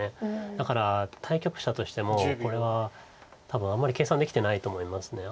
だから対局者としてもこれは多分あんまり計算できてないと思います。